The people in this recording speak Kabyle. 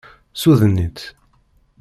Ssuden-itt.